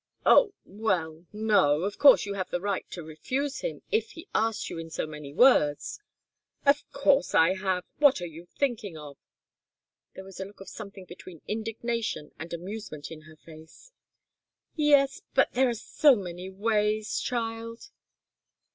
"Oh well no. Of course you have the right to refuse him, if he asks you in so many words " "Of course I have! What are you thinking of?" There was a look of something between indignation and amusement in her face. "Yes but there are so many ways, child.